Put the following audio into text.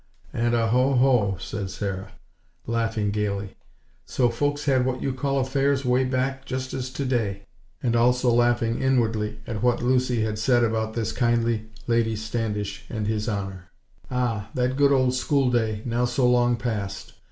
And a Ho, Ho!!" said Sarah, laughing gayly. "So folks had what you call 'affairs' way back, just as today!" and also laughing inwardly, at what Lucy had said about this kindly Lady Standish and His Honor. Ah! That good old schoolday, now so long past!